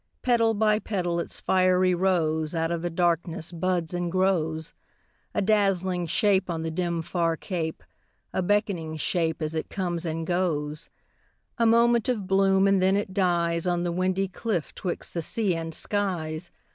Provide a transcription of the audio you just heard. Petal by petal its fiery rose Out of the darkness buds and grows; A dazzling shape on the dim, far cape, A beckoning shape as it comes and goes. A moment of bloom, and then it dies On the windy cliff 'twixt the sea and skies.